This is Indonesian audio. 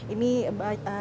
ini selama ini